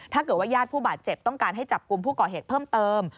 ญาติญาติผู้บาดเจ็บต้องการให้จับกลุ่มผู้ก่อเหตุเพิ่มเติม